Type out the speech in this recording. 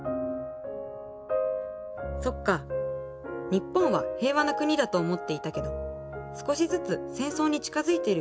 日本は平和な国だと思っていたけど少しずつ戦争に近づいている気がしてきた。